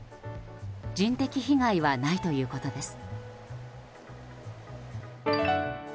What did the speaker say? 人的被害はないということです。